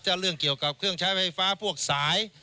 ถ้าเรื่องเกี่ยวกับเครื่องใช้ไฟฟ้าพวกสาย